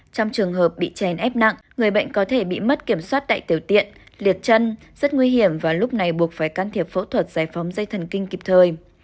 trong trường hợp bị chèn ép nặng người bệnh có thể bị mất kiểm soát tại tiểu tiện liệt chân rất nguy hiểm và lúc này buộc phải can thiệp phẫu thuật giải phóng dây thần kinh kịp thời